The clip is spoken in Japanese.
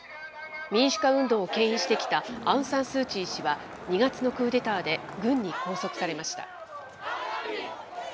民主化運動をけん引してきたアウン・サン・スー・チー氏は、２月のクーデターで軍に拘束されました。